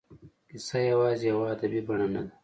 کیسه یوازې یوه ادبي بڼه نه ده.